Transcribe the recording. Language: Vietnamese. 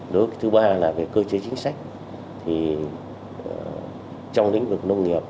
đối với thứ ba là về cơ chế chính sách thì trong lĩnh vực nông nghiệp